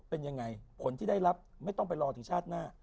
เป็นยังไงผลที่ได้รับไม่ต้องไปรอถึงชาติหน้า